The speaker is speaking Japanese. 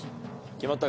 決まった。